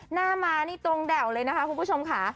หน้าม้านี่ตรงแด่วเลยนะคะคุณผู้ชมค่ะ